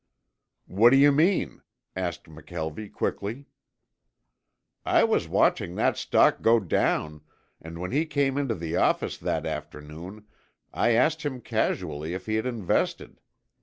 "What do you mean?" asked McKelvie quickly. "I was watching that stock go down, and when he came into the office that afternoon I asked him casually if he had invested.